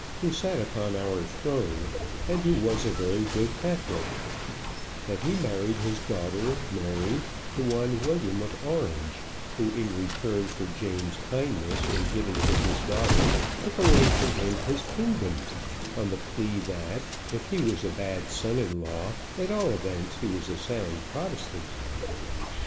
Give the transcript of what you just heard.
who sat upon our throne, and who was a very good Catholic that he married his daughter, Mary, to one William of Orange, who, in return for James's kindness in giving him his daughter, took away from him his kingdom, on the plea, that if he was a bad son in law, at all events, he was a sound Protestant.